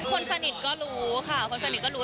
คนสนิทก็รู้ค่ะคนสนิทก็รู้